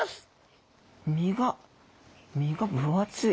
身が身が分厚い。